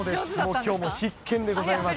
きょうも必見でございます。